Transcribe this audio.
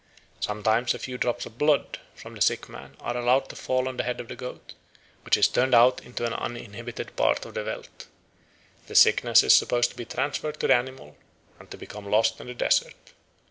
Sometimes a few drops of blood from the sick man are allowed to fall on the head of the goat, which is turned out into an uninhabited part of the veldt. The sickness is supposed to be transferred to the animal, and to become lost in the desert."